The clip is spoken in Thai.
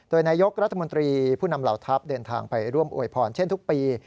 โดยนายกรัฐมนตรีผู้นำเหล่าทัพเดินทางไปร่วมอวยพรเช่นทุกปี